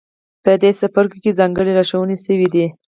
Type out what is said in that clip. په دې څپرکو کې ځانګړې لارښوونې شوې دي.